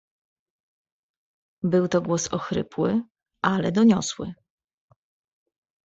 "Był to głos ochrypły, ale doniosły."